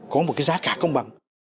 có một cái giá cả công bằng